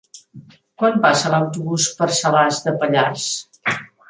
Quan passa l'autobús per Salàs de Pallars?